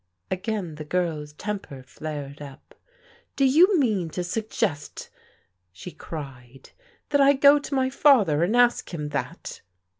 Again the girl's temper flared up. " Do you mean to suggest," she cried, "that I go to my falJier and ask him that?"